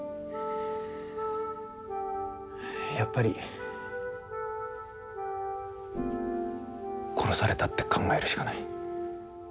やっぱり殺されたって考えるしかない。